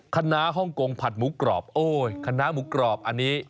คณะฮ่องกงผัดหมูกรอบโอ้ยคณะหมูกรอบอันนี้